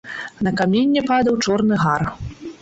На каменне падаў чорны гар.